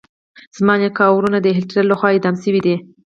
زما نیکه او ورونه د هټلر لخوا اعدام شويدي.